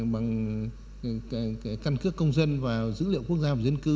bằng căn cước công dân và dữ liệu quốc gia và dân cư